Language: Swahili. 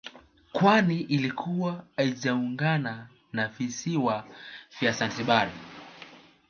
Kwani ilikuwa haijaungana na visiwa vya Zanzibari